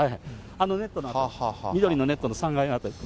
あのネットの辺り、緑のネットの３階の辺り。